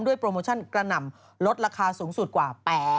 โปรโมชั่นกระหน่ำลดราคาสูงสุดกว่า